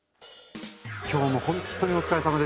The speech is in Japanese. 今日もほんっとにお疲れさまです。